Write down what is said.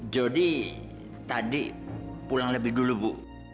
jody tadi pulang lebih dulu bu